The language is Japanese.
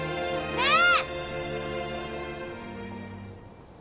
ねえ！